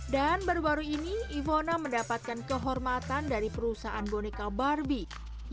dan baru baru ini ivona mendapatkan kehormatan dari perusahaan boneka barbie